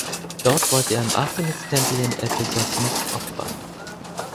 Dort wollte er im Artemistempel in Ephesus nicht opfern.